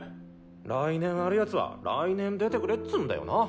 来年ある奴は来年出てくれっつんだよな。